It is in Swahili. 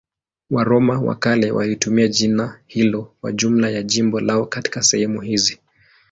Waroma wa kale walitumia jina hilo kwa jumla ya jimbo lao katika sehemu hizi.